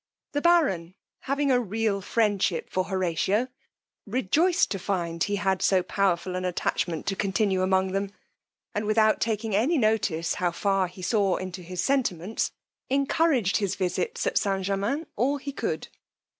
The baron having a real friendship for Horatio, rejoiced to find he had so powerful an attachment to continue among them, and without taking any notice how far he saw into his sentiments, encouraged his visits at St. Germains all he could.